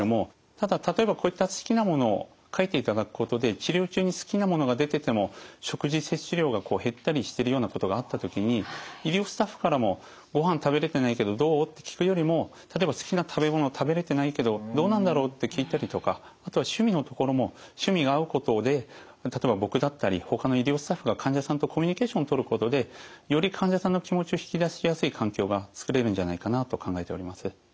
ただ例えばこういった好きなものを書いていただくことで治療中に好きなものが出てても食事摂取量が減ったりしてるようなことがあった時に医療スタッフからも「ごはん食べれてないけどどう？」って聞くよりも例えば「好きな食べ物食べれてないけどどうなんだろう」って聞いたりとかあとは趣味のところも趣味が合うことで例えば僕だったりほかの医療スタッフが患者さんとコミュニケーションを取ることでより患者さんの気持ちを引き出しやすい環境が作れるんじゃないかなと考えております。